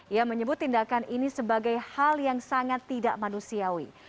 ia menyebut tindakan ini sebagai hal yang sangat tidak manusiawi